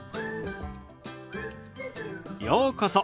ようこそ。